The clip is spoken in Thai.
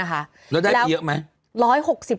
แล้วได้เยอะไหม